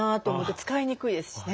使いにくいですしね。